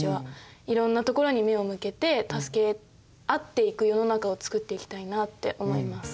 いろんなところに目を向けて助け合っていく世の中をつくっていきたいなって思います。